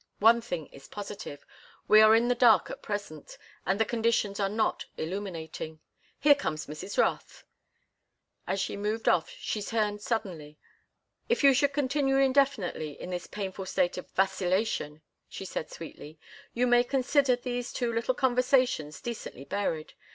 One thing is positive—we are in the dark at present, and the conditions are not illuminating. Here comes Mrs. Rothe." As she moved off she turned suddenly. "If you should continue indefinitely in this painful state of vacillation," she said, sweetly, "you may consider these two little conversations decently buried.